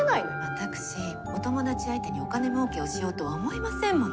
私お友達相手にお金もうけをしようとは思いませんもの。